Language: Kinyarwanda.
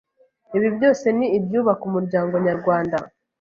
Ibi byose ni ibyubaka umuryango nyarwanda,